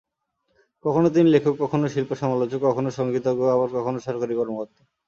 কখনো তিনি লেখক, কখনো শিল্পসমালোচক, কখনো সংগীতজ্ঞ, আবার কখনো সরকারি কর্মকর্তা।